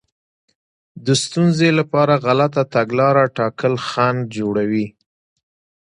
د ستونزې لپاره غلطه تګلاره ټاکل خنډ جوړوي.